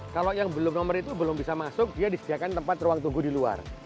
kalau yang belum nomor itu belum bisa masuk dia disediakan tempat ruang tunggu di luar